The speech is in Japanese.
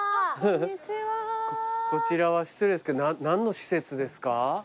こちらは失礼ですけど何の施設ですか？